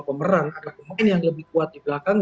pemeran ada pemain yang lebih kuat di belakang